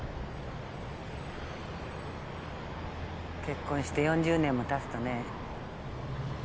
結婚して４０年もたつとね。